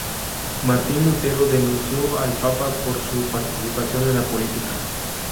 Martín Lutero denunció al Papa por su participación en la política.